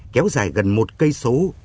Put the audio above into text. kéo dài gần một cây số